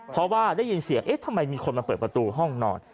เพราะว่าได้ยินเสียงเอ๊ะทำไมมีคนมาเปิดประตูห้องนอน